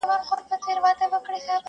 هر زړه يو درد ساتي تل